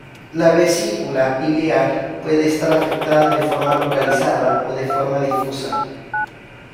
La vesícula biliar puede estar afectada de forma localizada o de forma difusa.